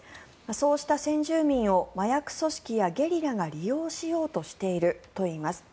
そうした先住民を麻薬組織やゲリラが利用しようとしているといいます。